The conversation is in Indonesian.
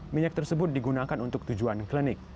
minyak tersebut digunakan untuk tujuan klinik